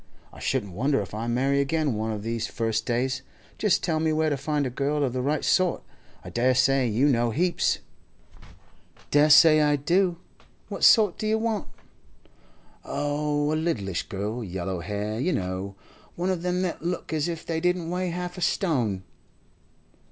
I shouldn't wonder if I marry again one of these first days. Just tell me where to find a girl of the right sort. I dare say you know heaps.' 'Dessay I do. What sort do you want?' 'Oh, a littlish girl—yellow hair, you know—one of them that look as if they didn't weigh half a stone.